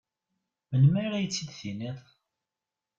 Melmi ara iyi-t-id-tiniḍ?